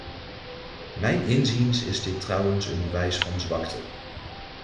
Mijns inziens is dit trouwens een bewijs van zwakte.